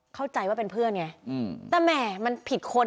เข้าใจว่าเป็นเพื่อนไงแต่แหม่มันผิดคน